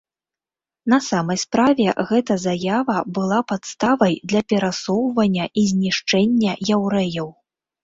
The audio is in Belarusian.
На самай справе, гэта заява была падставай для перасоўвання і знішчэння яўрэяў.